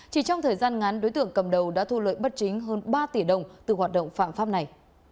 chỉ trong thời gian ngắn đối tượng cầm đầu đã thu lợi bất chính hơn ba tỷ đồng từ hoạt động phạm pháp này